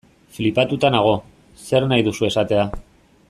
Flipatuta nago, zer nahi duzu esatea.